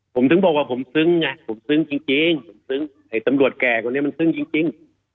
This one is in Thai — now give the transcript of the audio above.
ผมถึงบอกว่าผมซึ้งไงผมซึ้งจริงผมซึ้งไอ้ตำรวจแก่คนนี้มันซึ้งจริง